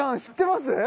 知ってます